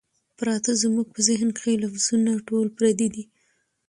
پراتۀ زمونږ پۀ ذهن کښې لفظونه ټول پردي دي